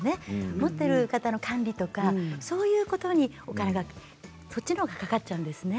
持っている方の管理とかそういうことにお金がそっちのほうがかかっちゃうんですね。